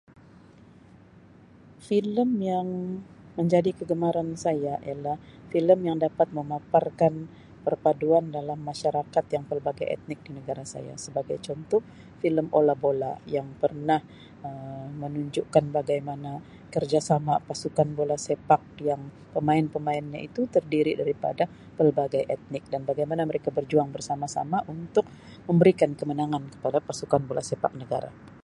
Filem yang menjadi kegemaran saya ialah filem yang dapat memaparkan perpaduan dalam masayarakat yang pelbagai etnik di negara saya sebagai contoh filem Ola Bola yang pernah Um menunjukkan bagaimana kerjasama pasukan Bola Sepak yang pemain-pemainnya itu terdiri daripada pelbagai etnik dan bagaimana mereka berjuang bersama-sama untuk memberikan kemenangan kepada pasukan Bola Sepak negara.